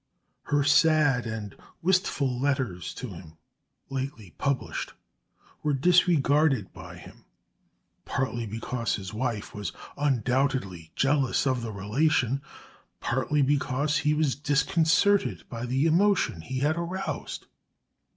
Her sad and wistful letters to him, lately published, were disregarded by him, partly because his wife was undoubtedly jealous of the relation, partly because he was disconcerted by the emotion he had aroused.